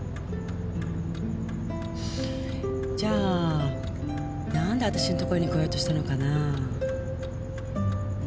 じゃあ何で私のとこに来ようとしたのかな